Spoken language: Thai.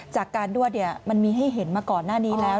จากการนวดมันมีให้เห็นมาก่อนหน้านี้แล้ว